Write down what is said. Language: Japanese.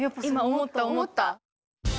今思った思った。